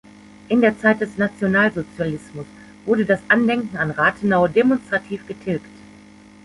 In der Zeit des Nationalsozialismus wurde das Andenken an Rathenau demonstrativ getilgt.